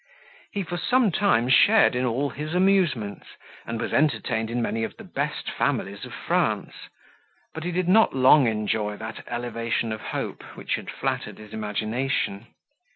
He for some time shared in all his amusements, and was entertained in many of the best families of France; but he did not long enjoy that elevation of hope, which had flattered his imagination.